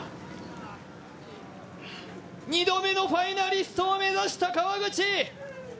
２度目のファイナリストを目指した川口。